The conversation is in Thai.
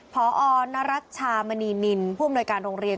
พอนรัชชามณีนินผู้อำนวยการโรงเรียน